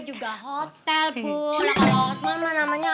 gue mau pergi ke kafe hotman nih